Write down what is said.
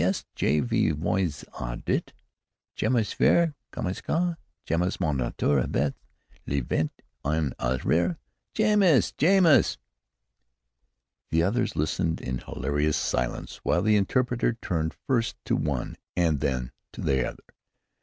Qu'est ce que je vous ai dit? Jamais faire comme ça! Jamais monter avec le vent en arrière! Jamais! Jamais!" The others listened in hilarious silence while the interpreter turned first to one and then to the other.